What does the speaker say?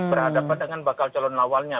berhadapan dengan bakal calon awalnya